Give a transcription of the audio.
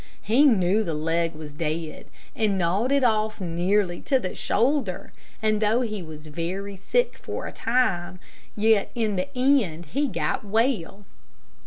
He knew the leg was dead, and gnawed it off nearly to the shoulder, and though he was very sick for a time, yet in the end he got well.